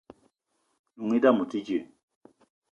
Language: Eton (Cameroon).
N'noung i dame o te dji.